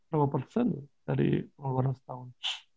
berapa persen ya dari awal awal setahun